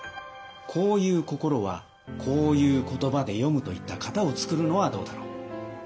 こういう心はこういう言葉で詠むといった型を創るのはどうだろう。